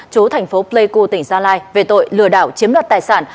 chú thành phố pleiku tỉnh gia lai về tội lừa đảo chiếm đoạt tài sản